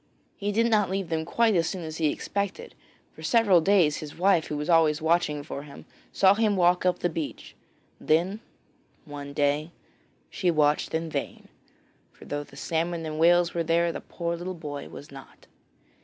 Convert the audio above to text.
He did not leave them quite as soon as he expected. For several days his wife who was always watching for him, saw him walk up the beach; then one day she watched in vain, for though salmon and whales were there, the poor little boy was not.